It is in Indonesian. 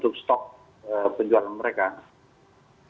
untuk stok penjualan mereka